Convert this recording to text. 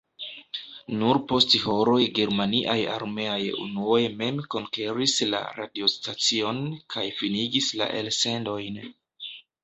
Nur post horoj germaniaj armeaj unuoj mem konkeris la radiostacion kaj finigis la elsendojn.